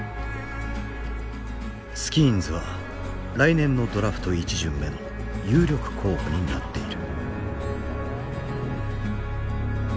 スキーンズは来年のドラフト１巡目の有力候補になっている。